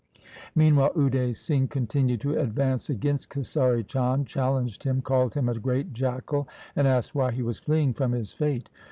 Meanwhile Ude Singh continued to advance against Kesari Chand, challenged him, called him a great jackal, and asked why he was fleeing from his fate.